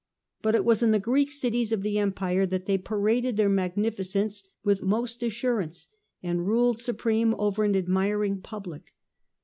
But it was in the Greek cities of the Empire that they paraded their magnificence with most assurance, and ruled supreme over an admiring public.